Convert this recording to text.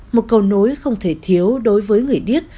một cầu nối không thể thiếu đối với người điếc